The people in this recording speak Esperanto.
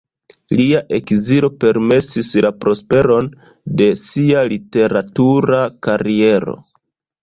Lia ekzilo permesis la prosperon de sia literatura kariero.